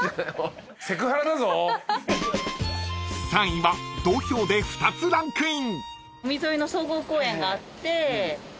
［３位は同票で２つランクイン］